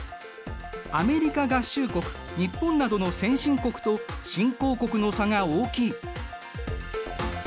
アメリカ合衆国日本などの先進国と新興国の差が大きい。